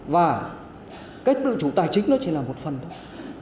và cái tự chủ tài chính nó chỉ là một phần thôi